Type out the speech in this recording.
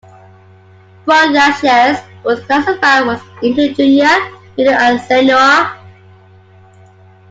"Podyachyes" were classified into junior, middle and senior.